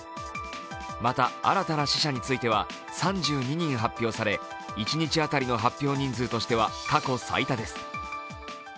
また、新たな死者については３２人発表され一日当たりの発表人数としては過去最多です。